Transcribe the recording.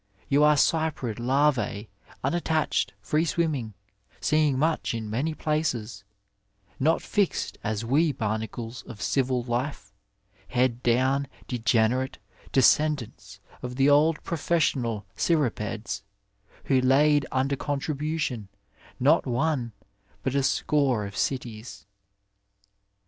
Tou are Cyprid larve, unattached, fiee swinmiing, seeing much in many places ; not fixed, as we barnacles of civil life, head downward, degenerate descendants of the old professional CSrripeds, who laid under contribution not one, but a score of cities.